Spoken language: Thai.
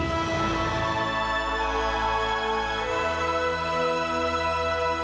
โปรดติดตามตอนต่อไป